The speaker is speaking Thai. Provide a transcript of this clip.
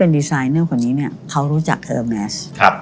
ดีไซเนอร์คนนี้เนี่ยเขารู้จักเทอร์แมส